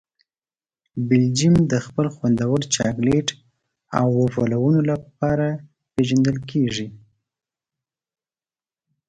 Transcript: بلجیم د خپل خوندور چاکلېټ او وفلونو لپاره پېژندل کیږي.